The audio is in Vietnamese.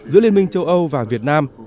giữa liên minh châu âu và việt nam